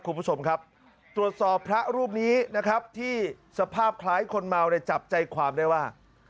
คุณผู้ชมครับตรวจสอบพระรูปนี้นะครับที่สภาพคล้ายคนเมาเนี่ยจับใจความได้ว่า